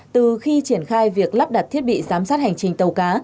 từ khi triển khai việc lắp đặt thiết bị giám sát hành trình tàu cá